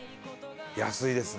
安いですね。